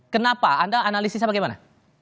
kenapa anda analisisnya bagaimana